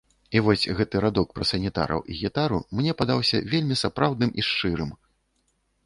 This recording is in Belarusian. І вось гэты радок пра санітараў і гітару мне падаўся вельмі сапраўдным і шчырым.